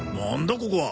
ここは。